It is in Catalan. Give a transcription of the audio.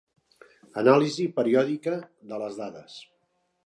Anàlisi periòdica de les dades.